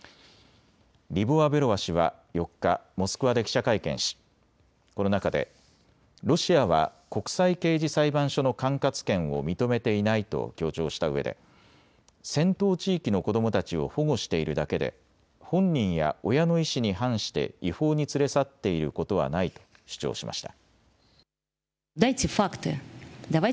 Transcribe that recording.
リボワベロワ氏は４日、モスクワで記者会見しこの中でロシアは国際刑事裁判所の管轄権を認めていないと強調したうえで戦闘地域の子どもたちを保護しているだけで本人や親の意思に反して違法に連れ去っていることはないと主張しました。